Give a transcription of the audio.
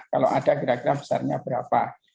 kalau ada kira kira besarnya berapa